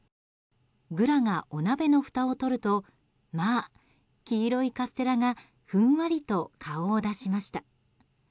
ぐらがお鍋のふたを取るとまあ、黄色いカステラがふんわりと顔を出しました。